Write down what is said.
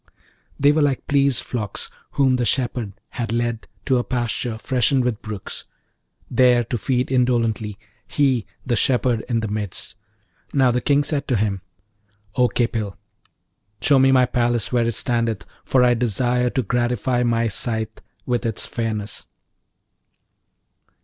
They were like pleased flocks whom the shepherd hath led to a pasture freshened with brooks, there to feed indolently; he, the shepherd, in the midst. Now, the King said to him, 'O Khipil, show me my palace where it standeth, for I desire to gratify my sight with its fairness.'